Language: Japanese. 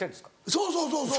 そうそうそうそう。